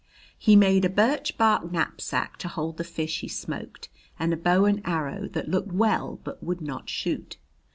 He made a birch bark knapsack to hold the fish he smoked and a bow and arrow that looked well but would not shoot.